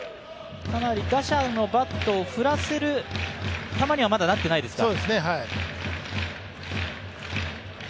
打者のバットを振らせる球にはまだなってないですか。